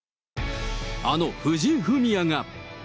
あの藤井フミヤが。